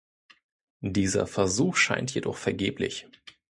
Dieser Versuch scheint jedoch vergeblich.